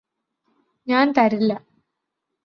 ഞാന് തരില്ല